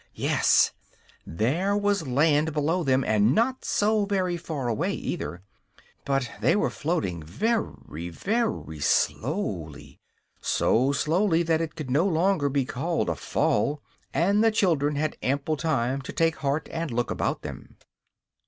Yes; there was land below them; and not so very far away, either. But they were floating very, very slowly so slowly that it could no longer be called a fall and the children had ample time to take heart and look about them.